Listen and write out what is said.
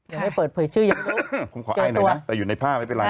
อย่าให้เปิดเผยชื่ออย่างนู้นเจอตัวคงขออ้ายหน่อยนะแต่อยู่ในผ้าไม่เป็นไร